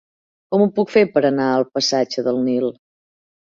Com ho puc fer per anar al passatge del Nil?